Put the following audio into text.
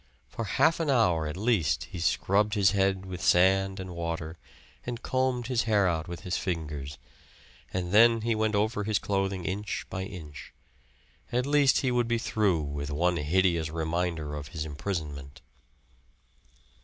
For half an hour at least he scrubbed his head with sand and water, and combed his hair out with his fingers. And then he went over his clothing inch by inch. At least he would be through with one hideous reminder of his imprisonment.